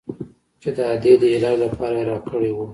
چې د ادې د علاج لپاره يې راكړى و.